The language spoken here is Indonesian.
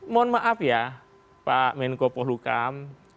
mohon maaf ya pak menko polukam